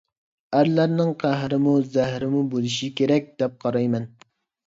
«ئەرلەرنىڭ قەھرىمۇ، زەھىرىمۇ بولۇشى كېرەك» دەپ قارايمەن.